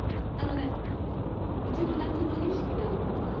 あのねうちの夏の儀式なの。